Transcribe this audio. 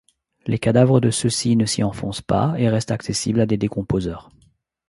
Les cadavres de ceux-ci ne s'y enfoncent pas et restent accessibles à des décomposeurs.